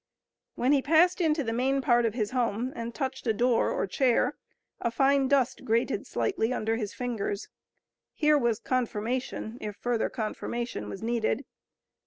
When he passed into the main part of his home, and touched a door or chair, a fine dust grated slightly under his fingers. Here was confirmation, if further confirmation was needed.